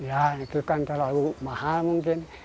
ya itu kan terlalu mahal mungkin